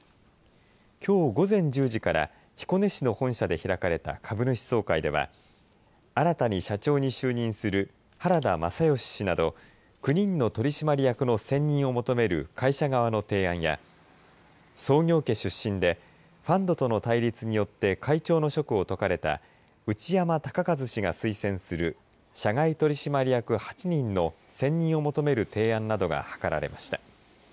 きょう午前１０時から彦根市の本社で開かれた株主総会では新たに社長に就任する原田政佳氏など９人の取締役の選任を求める会社側の提案や創業家出身でファンドとの対立によって会長の職を解かれた内山高一氏が推薦する社外取締役８人の選任を求める提案などが諮られました。